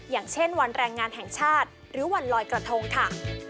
อย่างเช่นวันแรงงานแห่งชาติหรือวันลอยกระทงค่ะ